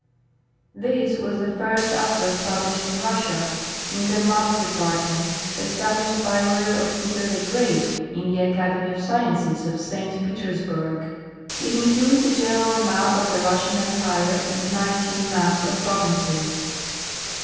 This was the first atlas published in Russia in the map depart ment established by order of Peter the Great in the Academy of Sciences of St. Petersburg. It includes a general map of the Russian Empire and nineteen maps of provinces.